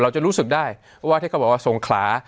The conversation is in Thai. เราจะรู้สึกได้ว่าที่เขาบอกว่าสงขลา